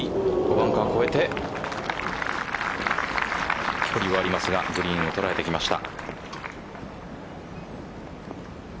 バンカーを越えて距離はありますがグリーンを捉えてきました。